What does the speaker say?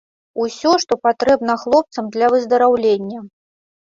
Усё, што патрэбна хлопцам для выздараўлення.